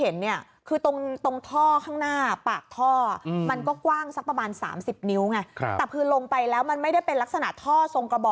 ลึกมากกว่า๔เมตรครับ